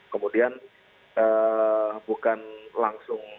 kemudian bukan langsung